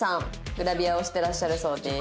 グラビアをしてらっしゃるそうです。